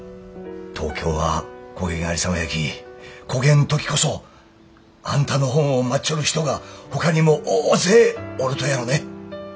東京はこげんありさまやきこげん時こそあんたの本を待っちょる人がほかにも大勢おるとやろね。